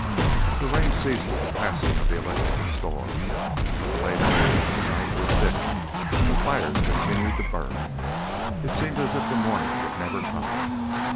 The rain ceased with the passing of the electrical storm, but the late hours of the night were thick and the fires continued to burn. It seemed as if morning would never come.